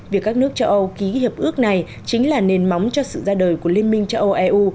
việc các nước châu âu ký hiệp ước này chính là nền móng cho sự ra đời của liên minh châu âu eu